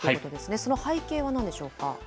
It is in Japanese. その背景はなんでしょうか。